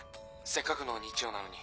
せっかくの日曜なのに。